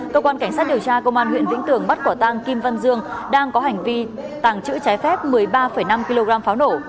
cơ quan cảnh sát điều tra công an huyện vĩnh tường bắt quả tăng kim văn dương đang có hành vi tàng trữ trái phép một mươi ba năm kg pháo nổ